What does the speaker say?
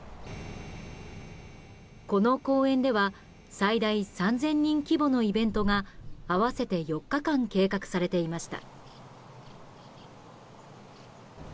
この公園では最大３０００人規模のイベントが合わせて４日間計画されていました。